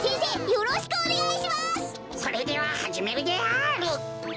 それでははじめるである。